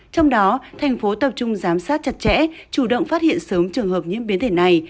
trong đó thành phố tập trung giám sát chặt chẽ chủ động phát hiện sớm trường hợp nhiễm biến thể này